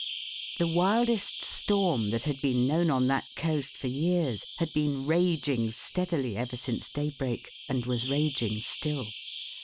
The wildest storm that had been known on that coast for years had been raging steadily ever since daybreak and was raging still.